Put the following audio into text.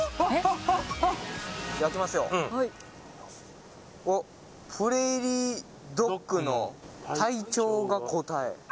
開けますようん「プレーリードッグの体長が答え」